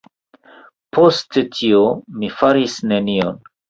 Post tio, mi faris nenion.